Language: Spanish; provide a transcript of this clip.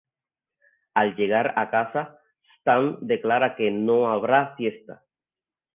Al llegar a casa Stan declara que no habrá fiesta.